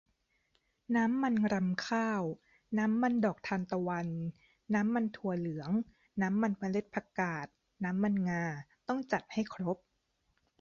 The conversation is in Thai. น้ำมันรำข้าว น้ำมันดอกทานตะวัน น้ำมันถั่วเหลือง น้ำมันเมล็ดผักกาด น้ำมันงา ต้องจัดให้ครบ